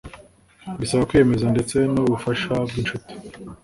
bisaba kwiyemeza ndetse n'ubufasha bw'inshuti